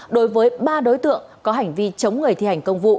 đối với ba đối tượng có hành vi chống người thi hành công vụ